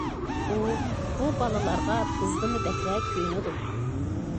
ئۇ بۇ بالىلارغا بىزدىنمۇ بەكرەك كۆيۈنىدۇ.